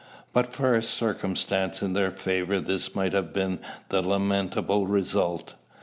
But for a circumstance in their favour this might have been the lamentable result.